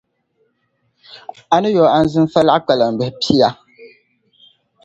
a ni yo anzinfa laɣ’ kpalambihi pia.